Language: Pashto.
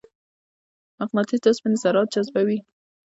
مقناطیس د اوسپنې ذرات جذبوي.